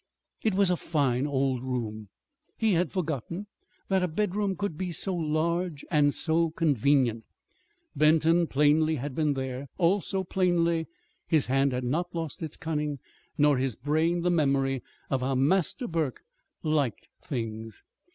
It was a fine old room. He had forgotten that a bedroom could be so large and so convenient. Benton, plainly, had been there. Also, plainly, his hand had not lost its cunning, nor his brain the memory of how Master Burke "liked things."